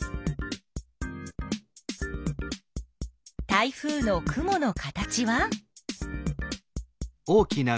台風の雲の形は？